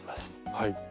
はい。